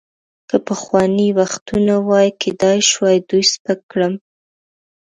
که پخواني وختونه وای، کیدای شوای دوی سپک کړم.